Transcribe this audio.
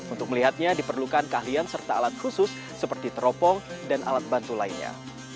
untuk melihatnya diperlukan keahlian serta alat khusus seperti teropong dan alat bantu lainnya